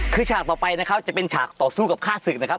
คือฉากต่อไปนะครับจะเป็นฉากต่อสู้กับฆ่าศึกนะครับ